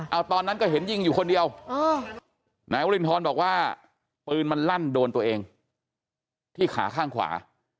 เอาตอนนั้นก็เห็นยิงอยู่คนเดียวนายวรินทรบอกว่าปืนมันลั่นโดนตัวเองที่ขาข้างขวา